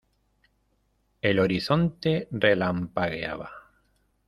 el horizonte relampagueaba.